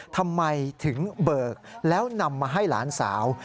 ทำไมถึงเบิกแล้วนำมาให้หลานสาว